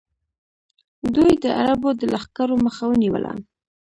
دوی د عربو د لښکرو مخه ونیوله